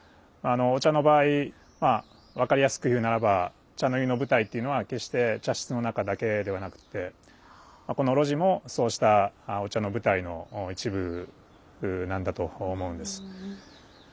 お茶の場合まあ分かりやすく言うならば茶の湯の舞台っていうのは決して茶室の中だけではなくてこの露地もそうしたお茶の舞台の一部なんだと思うんです。